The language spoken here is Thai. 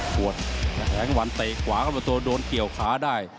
หัวแสงตะวันเตะขวาเขาเป็นตัวโดนเกี่ยวขาได้